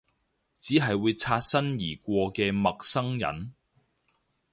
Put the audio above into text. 只係會擦身而過嘅陌生人？